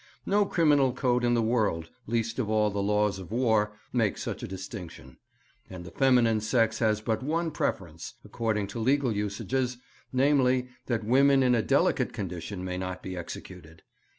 No criminal code in the world least of all the laws of war makes such a distinction; and the feminine sex has but one preference, according to legal usages, namely, that women in a delicate condition may not be executed.